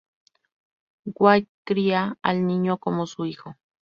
White cría al niño como su hijo.